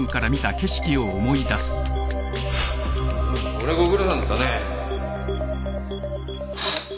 それはご苦労さんだったね